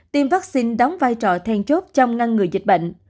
tiêm vaccine đóng vai trò then chốt trong ngăn ngừa dịch bệnh